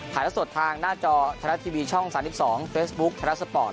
ถ่ายรัฐสดทางหน้าจอไทยรัฐทีวีช่องสามสิบสองเฟสบุ๊คไทยรัฐสปอร์ต